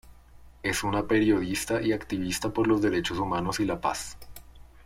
Es una periodista y activista por los derechos humanos y la paz.